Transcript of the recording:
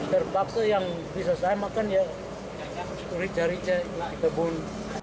terpaksa yang bisa saya makan ya rica rica kebun